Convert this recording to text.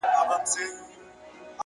خپل اصول د ګټې قرباني مه کړئ,